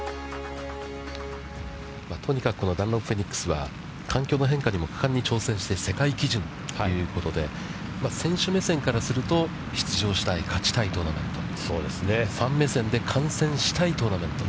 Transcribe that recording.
とにかくこのダンロップフェニックスは、環境の変化にも果敢に挑戦して、世界基準ということで、選手目線からすると、出場したい、勝ちたいトーナメント。